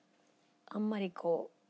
あんまりこう。